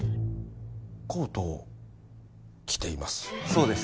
コートを着ていますそうです